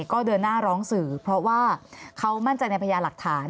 ก็เดินหน้าร้องสื่อเพราะว่าเขามั่นใจในพญาหลักฐาน